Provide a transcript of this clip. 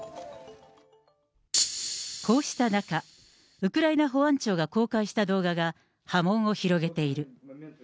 こうした中、ウクライナ保安庁が公開した動画が波紋を広げている。